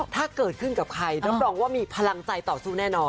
ถ้าเกิดขึ้นกับใครรับรองว่ามีพลังใจต่อสู้แน่นอน